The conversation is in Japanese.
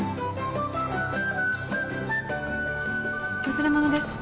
忘れ物です。